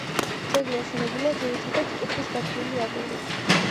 ძეგლი აშენებულია ძირითადად ტუფის გათლილი აგურით.